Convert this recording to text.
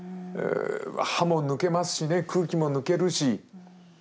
歯も抜けますしね空気も抜けるし。